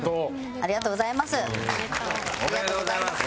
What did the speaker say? ありがとうございます。